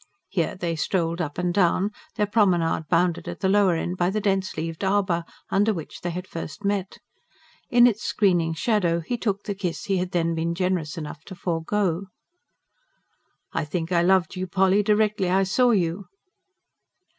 Here they strolled up and down, their promenade bounded at the lower end by the dense leaved arbour under which they had first met. In its screening shadow he took the kiss he had then been generous enough to forgo. "I think I loved you, Polly, directly I saw you."